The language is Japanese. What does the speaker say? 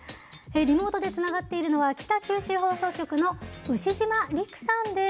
リモートでつながっているのは北九州放送局の牛島陸さんです。